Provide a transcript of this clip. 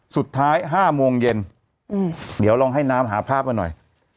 สุดท้าย๕โมงเย็นเดี๋ยวลองให้น้ำหาภาพมาหน่อย